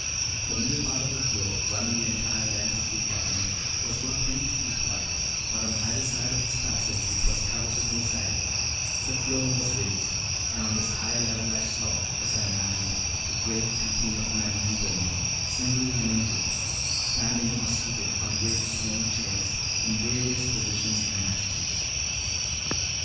The middle part of the floor, running the entire length of the apartment, was about twenty feet wide, but on either side of this passage, which was covered with mosaic, the floor was raised; and on this higher level I saw, as I imagined, a great company of men and women, singly and in groups, standing or seated on great stone chairs in various positions and attitudes.